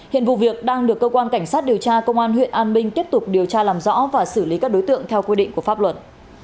hiện vụ việc đang được cơ quan cảnh sát điều tra công an huyện an minh tiếp tục điều tra làm rõ và xử lý các đối tượng theo quy định của pháp luật